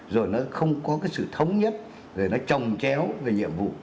rồi nó không có cái sự thống nhất rồi nó trồng chéo về nhiệm vụ